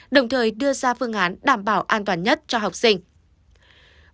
đồng thời đưa ra phương án đảm bảo an toàn nhất cho học sinh